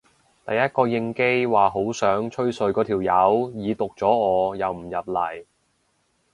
第一個應機話好想吹水嗰條友已讀咗我又唔入嚟